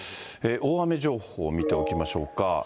大雨情報見ておきましょうか。